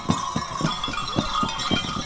ketika kami datang ke sini